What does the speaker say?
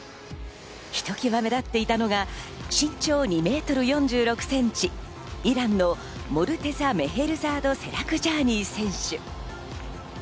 ひときわ目立っていたのが身長２ｍ４６ｃｍ、イランのモルテザ・メヘルザードセラクジャーニー選手。